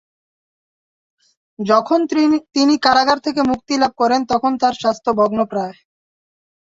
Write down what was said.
যখন তিনি কারাগার থেকে মুক্তি লাভ করেন তখন তার স্বাস্থ্য ভগ্নপ্রায়।